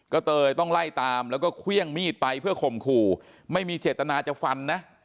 ก็เลยต้องไล่ตามแล้วก็เครื่องมีดไปเพื่อข่มขู่ไม่มีเจตนาจะฟันนะ